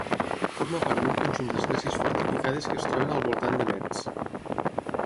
Forma part d'un conjunt d'esglésies fortificades que es troben al voltant de Metz.